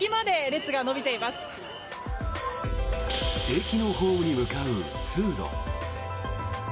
駅のホームに向かう通路。